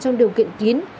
trong điều kiện kín